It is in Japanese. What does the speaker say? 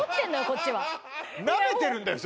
こっちはナメてるんだよ